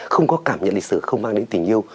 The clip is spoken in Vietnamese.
không có cảm nhận lịch sử không mang đến tình yêu